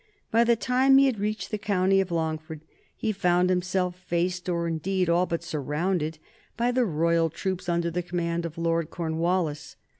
By the time he had reached the county of Longford he found himself faced, or indeed all but surrounded, by the royal troops under the command of Lord Cornwallis.